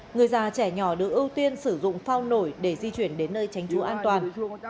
người già trẻ nhỏ được ưu tiên sử dụng phao nổi để di chuyển đến nơi tránh trú an toàn